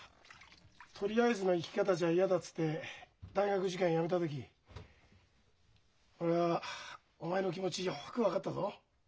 「とりあえずの生き方じゃ嫌だ」っつって大学受験やめた時俺はお前の気持ちよく分かったぞ。